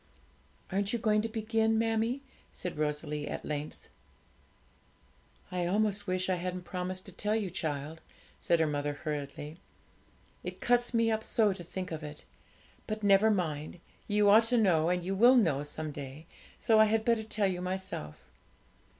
'Aren't you going to begin, mammie?' said Rosalie at length. 'I almost wish I hadn't promised to tell you, child,' said her mother hurriedly; 'it cuts me up so to think of it; but never mind, you ought to know, and you will know some day, so I had better tell you myself.